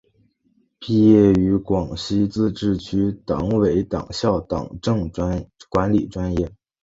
毕业于广西自治区党委党校党政管理专业。